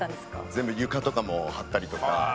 全部床とかも張ったりとか。